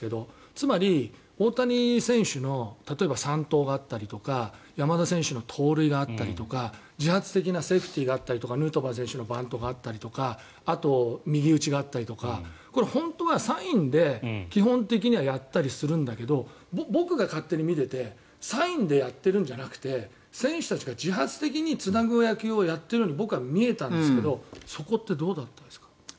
つまり大谷選手の三盗があったりとか山田選手の盗塁があったりとか自発的なセーフティーがあったりとかヌートバー選手のバントがあったり右打ちがあったりとか本当はサインで基本的にはやったりするんだけど僕が、勝手に見ていてサインでやってるんじゃなくて選手たちが自発的につなぐ野球をやっているように僕は見えたんですけどそこはどうだったんですか？